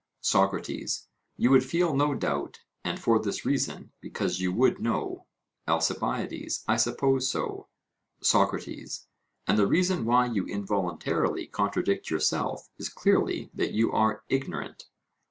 SOCRATES: You would feel no doubt; and for this reason because you would know? ALCIBIADES: I suppose so. SOCRATES: And the reason why you involuntarily contradict yourself is clearly that you are ignorant?